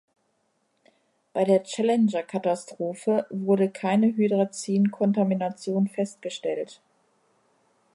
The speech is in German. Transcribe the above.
Bei der Challenger-Katastrophe wurde keine Hydrazin-Kontamination festgestellt.